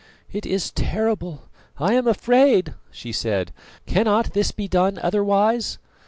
"It is terrible! I am afraid!" she said. "Cannot this be done otherwise?"